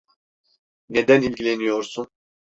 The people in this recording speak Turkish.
Neden ilgileniyorsun?